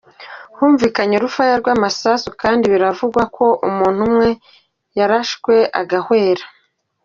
Humvikanye urufaya rw'amasasu kandi bikavugwa ko umuntu umwe yarashwe agahwera.